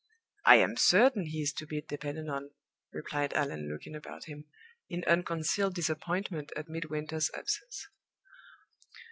"I am certain he is to be depended on," replied Allan, looking about him in unconcealed disappointment at Midwinter's absence.